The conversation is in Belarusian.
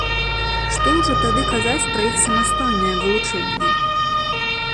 Што ўжо тады казаць пра іх самастойнае вылучэнне.